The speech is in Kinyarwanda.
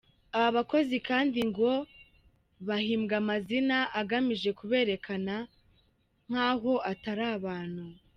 Abo bakozi kandi ngo bahimbwa amazina agamije kuberekana nk’aho atari abantu.